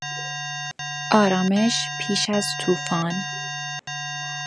آرامش پیش از توفان